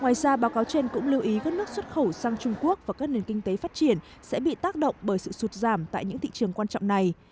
ngoài ra báo cáo trên cũng lưu ý các nước xuất khẩu sang trung quốc và các nền kinh tế phát triển sẽ bị tác động bởi sự sụt giảm tại những thị trường quan trọng này